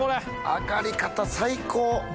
揚がり方最高！